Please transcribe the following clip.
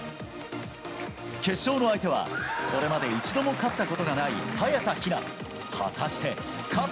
決勝の相手は、これまで一度も勝ったことがない早田ひな。